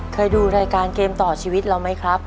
เคยดูรายการเกมต่อชีวิตเราไหมครับ